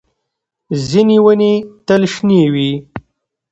ځینې ونې تل شنې وي